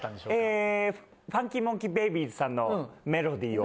えファンキーモンキーベイビーズさんのメロディーを。